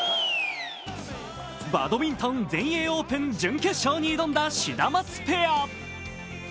バドミントン全英オープン準決勝に挑んだシダマツペア。